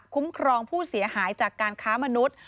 ครองผู้เสียหายจากการค้ามนุษย์